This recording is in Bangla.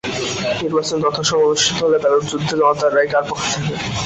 নির্বাচন যথাসময়ে অনুষ্ঠিত হলে ব্যালট যুদ্ধে জনতার রায় কার পক্ষে থাকে।